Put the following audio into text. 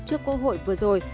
trước cộng hội vừa rồi